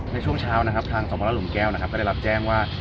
ในช่วงเช้าทางสมรรถหลุมแก้วได้รับแจ้งว่า